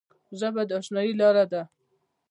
ژبه د اشنايي لاره ده